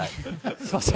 すみません。